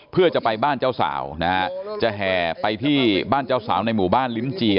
เพื่อจะไปบ้านเจ้าสาวนะฮะจะแห่ไปที่บ้านเจ้าสาวในหมู่บ้านลิ้นจี